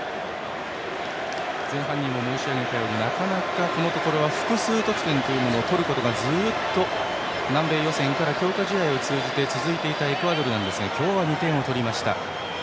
前半にも申し上げたようになかなかこのところは複数得点を取ることができないずっと南米予選から強化試合を通じて続いていたエクアドルなんですが今日は２点を取りました。